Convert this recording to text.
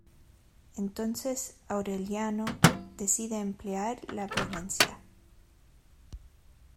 Entonces Aureliano decide emplear la violencia.